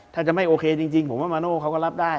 ถ้าจะไม่โอเคจริงผมว่ามาโน่เขาก็รับได้